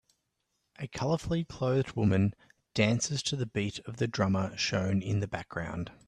A colorfully clothed woman dances to the beat of the drummer shown in the background.